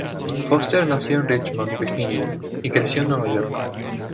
Foster nació en Richmond, Virginia, y creció en Nueva York.